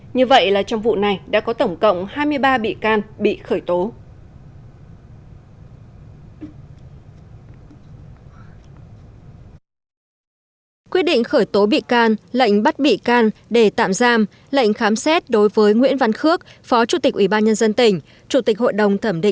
như vậy là trong vụ này đã có tổng cộng hai mươi ba bị can bị khởi tố